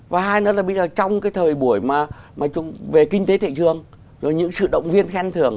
và hai nữa là bây giờ trong cái thời buổi mà về kinh tế thị trường rồi những sự động viên khen thưởng